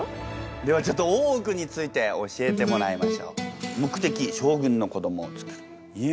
ではちょっと大奥について教えてもらいましょう。